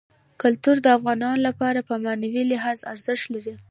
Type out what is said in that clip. کلتور د افغانانو لپاره په معنوي لحاظ ارزښت لري.